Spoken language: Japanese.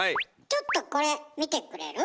ちょっとこれ見てくれる？